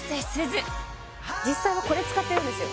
実際はこれ使ってるんですよ